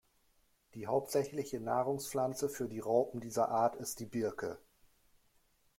Die hauptsächliche Nahrungspflanze für die Raupen dieser Art ist die Birke.